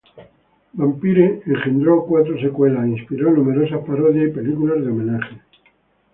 Vampire" engendro cuatro secuelas, inspiró numerosas parodias y películas de homenaje.